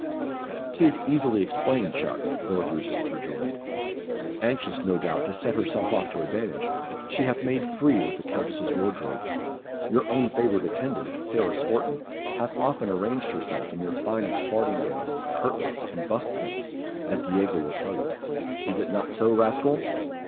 "'T is easily explained, chuck," Lord Roos rejoined. "Anxious, no doubt, to set herself off to advantage, she hath made free with the countess's wardrobe. Your own favourite attendant, Sarah Swarton, hath often arranged herself in your finest fardingales, kirtlets, and busk points, as Diego will tell you. Is it not so, rascal?"